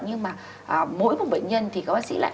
nhưng mà mỗi một bệnh nhân thì các bác sĩ lại